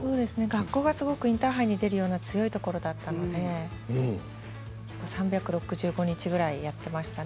学校がインターハイに出るような強いところだったので３６５日ぐらい学校でやっていました。